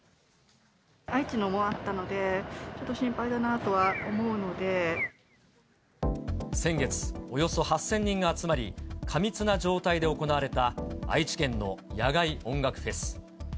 愛知のもあったので、ちょっ先月、およそ８０００人が集まり、過密な状態で行われた、愛知県の野外音楽フェス。